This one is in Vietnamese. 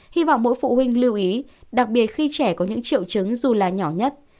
hy vọng mỗi phụ huynh lưu ý đặc biệt khi trẻ có những triệu chứng dù là nhỏ nhất